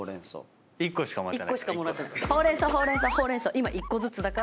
今１個ずつだから。